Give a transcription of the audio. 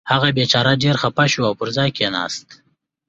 هغه بېچاره ډېر خفه شو او پر ځای کېناست.